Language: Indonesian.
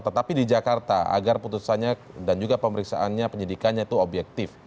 tetapi di jakarta agar putusannya dan juga pemeriksaannya penyidikannya itu objektif